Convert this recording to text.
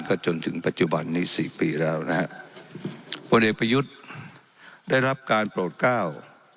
ก็จนถึงปัจจุบันนี้สี่ปีแล้วนะฮะพลเอกประยุทธ์ได้รับการโปรดก้าว